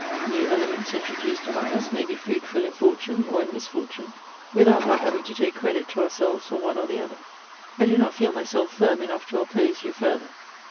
New elements introduced among us may be fruitful in fortune or in misfortune, without our having to take credit to ourselves for one or the other. I do not feel myself firm enough to oppose you further.